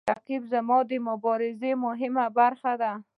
رقیب زما د مبارزې مهمه برخه ده